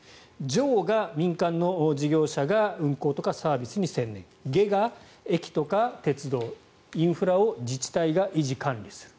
上が民間の事業者が運行とかサービスに専念下が駅とか鉄道、インフラを自治体が維持管理する。